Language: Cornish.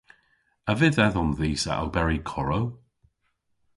A vydh edhom dhis a oberi korow?